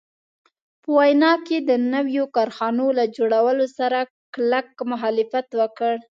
په ویانا کې د نویو کارخانو له جوړولو سره کلک مخالفت وکړ.